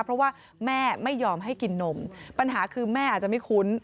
เพราะว่าแม่ไม่ยอมให้กินนมปัญหาคือแม่อาจจะไม่คุ้น